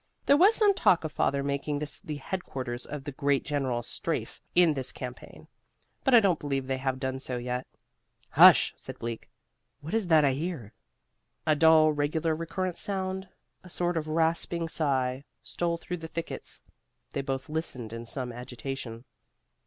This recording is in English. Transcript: There was some talk of Father making this the headquarters of the Great General Strafe in this campaign, but I don't believe they have done so yet." "Hush!" said Bleak. "What is that I hear?" A dull, regular, recurrent sound, a sort of rasping sigh, stole through the thickets. They both listened in some agitation.